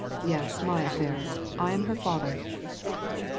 Yes, my affair. I am her father."